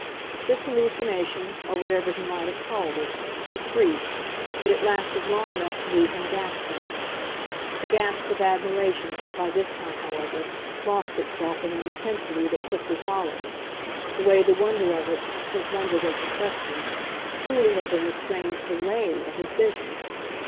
This hallucination, or whatever he might have called it, was brief, but it lasted long enough to leave him gasping. The gasp of admiration had by this time, however, lost itself in an intensity that quickly followed the way the wonder of it, since wonder was in question, truly had been the strange DELAY of his vision.